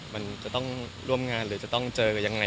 มันจะต้องร่วมงานหรือจะต้องเจอกันยังไง